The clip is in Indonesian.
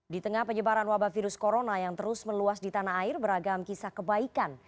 di tengah penyebaran wabah virus corona yang terus meluas di tanah air beragam kisah kebaikan